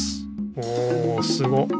おおすごっ！